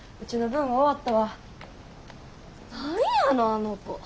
何やのあの子。